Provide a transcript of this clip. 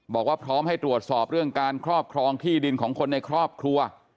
บอกว่าพร้อมให้ตรวจสอบเรื่องการครอบครองที่ดินของคนในครอบครัว